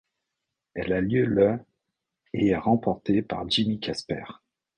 Elle a lieu le et est remportée par Jimmy Casper.